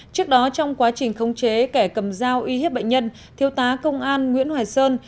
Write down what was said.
trước đó trong quá trình khống chế kẻ cầm dao uy hiếp bệnh nhân thiếu tá công an nguyễn hoài sơn